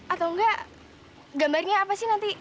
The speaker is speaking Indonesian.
atau enggak gambarnya apa sih nanti